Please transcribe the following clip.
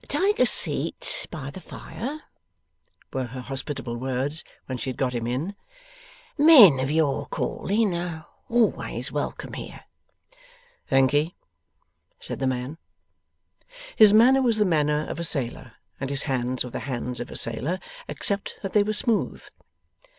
'Take a seat by the fire,' were her hospitable words when she had got him in; 'men of your calling are always welcome here.' 'Thankee,' said the man. His manner was the manner of a sailor, and his hands were the hands of a sailor, except that they were smooth.